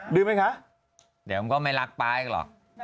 เดี๋ยวมันก็ไม่รักป๊าอีกหรอก